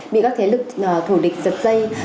bị các thế lực thủ địch giật dây